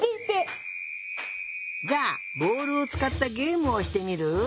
じゃあボールをつかったゲームをしてみる？